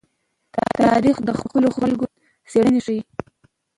تاریخ د خپلو خلکو څېره ښيي.